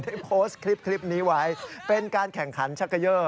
โพสต์คลิปนี้ไว้เป็นการแข่งขันชักเกยอร์